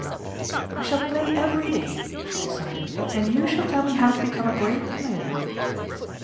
"I shall play every day," she decided, "and you shall tell me how to become a great player."